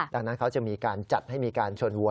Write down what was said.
ดังนั้นเขาจะมีการจัดให้มีการชนหัว